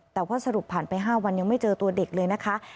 แต่ว่าสรุปผ่านไป๕วันยังไม่เจอตัวเด็กเลยนะคะ